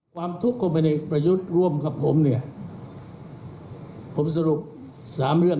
ความทุกข์คนในประยุทธ์ร่วมกับผมเนี่ยผมสรุป๓เรื่อง